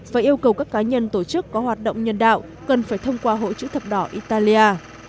và yêu cầu các cá nhân tổ chức có hoạt động nhân đạo cần phải thông qua hội chữ thập đỏ italia